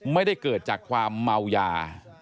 ไม่ได้เกิดจากความเมายา